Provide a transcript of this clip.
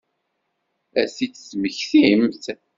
Ad t-id-temmektimt?